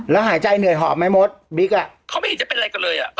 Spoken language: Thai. แล้วหายใจเหนื่อยหอมไหมมดบิ๊กเขาไม่เห็นจะเป็นอะไรกันเลย